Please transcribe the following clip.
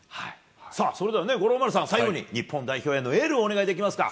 さあそれではね、五郎丸さん、最後に日本代表へのエールをお願いできますか？